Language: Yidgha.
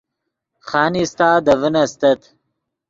خانیستہ دے ڤین استت